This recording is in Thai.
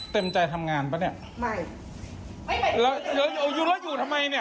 เต็มใจทำงานหรือเปล่านี่ไม่อยู่แล้วอยู่ทำไมนี่